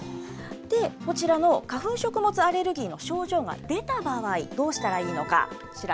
で、こちらの花粉食物アレルギーの症状が出た場合、どうしたらいいのか、こちら。